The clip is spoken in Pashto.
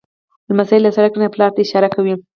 لمسی له سړک نه پلار ته اشاره کوي.